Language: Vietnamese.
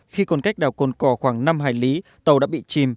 khi còn cách đảo cồn cò khoảng năm hải lý tàu đã bị chìm